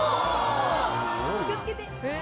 気を付けて！